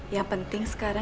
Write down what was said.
yang penting sekarang